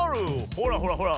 ほらほらほら。